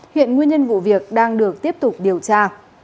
hiện nguyên nhân vụ việc đang được tiếp tục điều tra